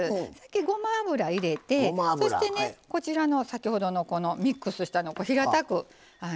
ごま油を入れてそして、こちらの先ほどのミックスしたのを平たく。